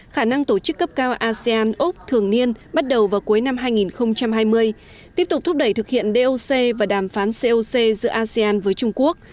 khả năng tổ chức cấp cao asean úc thường niên bắt đầu vào cuối năm hai nghìn hai mươi tiếp tục thúc đẩy thực hiện doc và đàm phán coc giữa asean với trung quốc